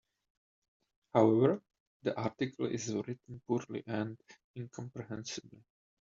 However, the article is written poorly and incomprehensibly.